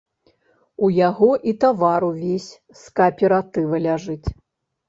У яго і тавар увесь з кааператыва ляжыць.